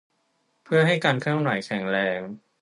เพื่อให้การเคลื่อนไหวแข็งแรง